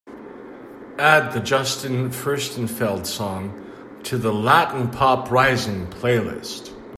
Add the Justin Furstenfeld song to the latin pop rising playlist.